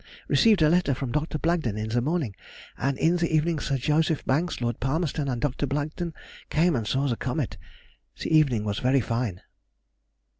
Received a letter from Dr. Blagden in the morning, and in the evening Sir J. Banks, Lord Palmerston, and Dr. Blagden, came and saw the comet. The evening was very fine.